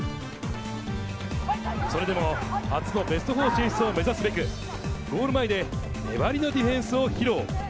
それでも初のベスト４進出を目指すべく、ゴール前で粘りのディフェンスを披露。